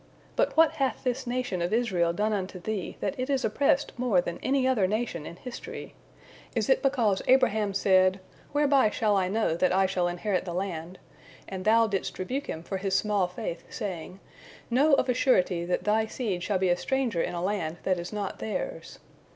But what hath this nation of Israel done unto Thee, that it is oppressed more than any other nation in history? Is it because Abraham said, 'Whereby shall I know that I shall inherit the land?' and Thou didst rebuke him for his small faith, saying, 'Know of a surety that thy seed shall be a stranger in a land that is not theirs'?